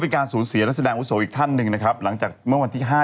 โบราณสะโคกใหญ่ก็ดังได้